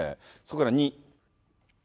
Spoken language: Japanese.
それから２。